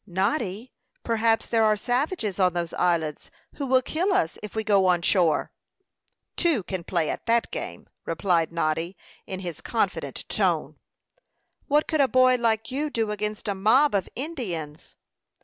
"Noddy, perhaps there are savages on those islands, who will kill us if we go on shore." "Two can play at that game," replied Noddy, in his confident tone. "What could a boy like you do against a mob of Indians?"